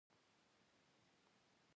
په دې جنګ کې هند ماتې وخوړه.